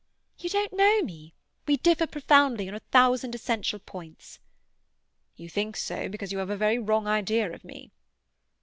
"You don't know me. We differ profoundly on a thousand essential points." "You think so because you have a very wrong idea of me."